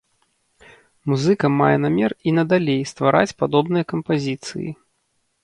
Музыка мае намер і надалей ствараць падобныя кампазіцыі.